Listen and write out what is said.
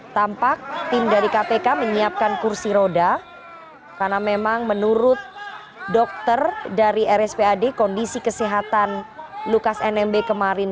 tampak tim dari kpk menyiapkan kursi roda karena memang menurut dokter dari rspad kondisi kesehatan lukas nmb kemarin